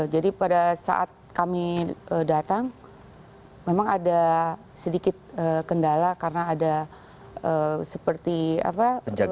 jadi pada saat kami datang memang ada sedikit kendala karena ada seperti apa